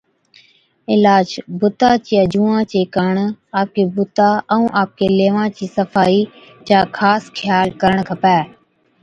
عِلاج، بُتا چِيا جُوئان چي ڪاڻ آپڪي بُتا ائُون آپڪي ليوان چِي صفائِي چا خاص خيال ڪرڻ کپَي۔